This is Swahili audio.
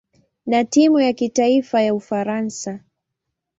na timu ya kitaifa ya Ufaransa.